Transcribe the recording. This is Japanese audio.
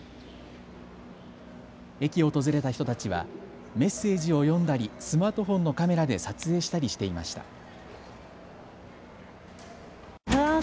駅を訪れた人たちはメッセージを読んだりスマートフォンのカメラで撮影したりしていました。